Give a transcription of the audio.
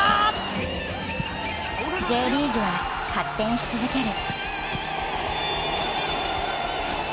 Ｊリーグは発展し続ける。